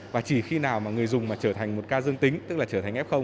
và chỉ khi nào mà người dùng mà trở thành một ca dương tính tức là trở thành f